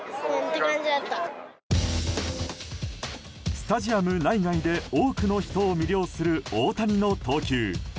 スタジアムの内外で多くの人を魅了する大谷の投球。